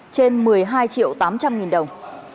trên một mươi hai triệu tám trăm linh nghìn đồng